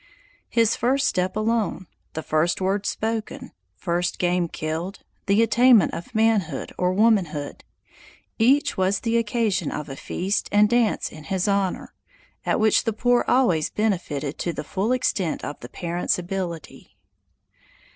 His first step alone, the first word spoken, first game killed, the attainment of manhood or womanhood, each was the occasion of a feast and dance in his honor, at which the poor always benefited to the full extent of the parents' ability.